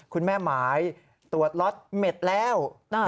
คุณแม่หมายตรวจล็อตเม็ดแล้ว